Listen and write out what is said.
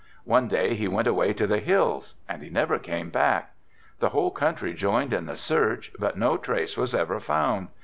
One day he went away to the hills and he never came back. The whole country joined in the search but no trace was ever found.